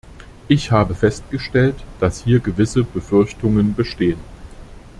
Ich habe festgestellt, dass hier gewisse Befürchtungen bestehen.